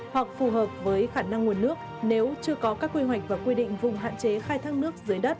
hoặc phù hợp với khả năng nguồn nước nếu chưa có các quy hoạch và quy định vùng hạn chế khai thác nước dưới đất